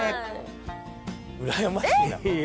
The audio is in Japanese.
うらやましいな。